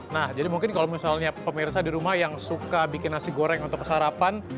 nah jadi mungkin kalau misalnya pemirsa di rumah yang suka bikin nasi goreng untuk sarapan